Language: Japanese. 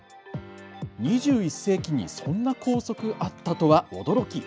２１世紀にそんな校則あったとは驚き。